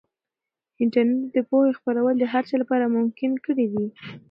انټرنیټ د پوهې خپرول د هر چا لپاره ممکن کړي دي.